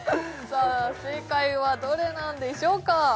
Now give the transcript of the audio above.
さあ正解はどれなんでしょうか？